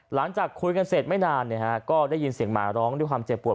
หลังจากคุยกันเสร็จไม่นานก็ได้ยินเสียงหมาร้องด้วยความเจ็บปวด